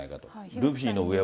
ルフィの上は。